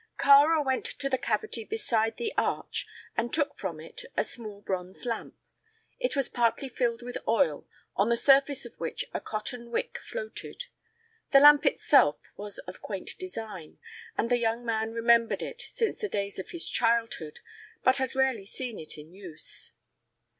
Kāra went to the cavity beside the arch and took from it a small bronze lamp. It was partly filled with oil, on the surface of which a cotton wick floated. The lamp itself was of quaint design, and the young man remembered it since the days of his childhood, but had rarely seen it in use.